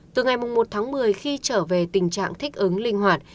từ ngày một tháng một mươi khi trở về tình trạng thích ứng linh hoạt